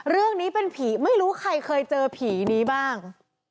เรื่องนี้เป็นผีไม่รู้ใครเคยเจอผีนี้บ้าง